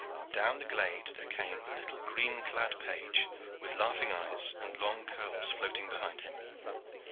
Down the glade there came a little green clad page with laughing eyes, and long curls floating behind him.